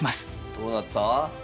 どうだった？